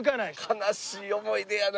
悲しい思い出やな。